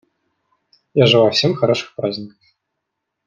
Я желаю всем хороших праздников.